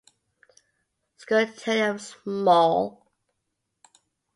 Scutellum small.